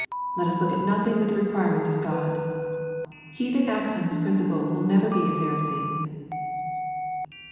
Let us look at nothing but the requirements of God. He that acts on this principle will never be a Pharisee.